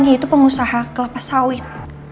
apalagi itu pengusaha kelapa sawit